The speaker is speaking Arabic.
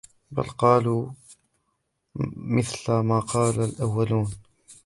بَلْ قَالُوا مِثْلَ مَا قَالَ الْأَوَّلُونَ